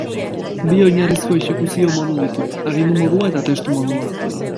Bi oinarrizko exekuzio modu ditu: Agindu modua eta Testu modua.